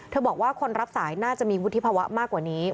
บอกว่าคนรับสายน่าจะมีวุฒิภาวะมากกว่านี้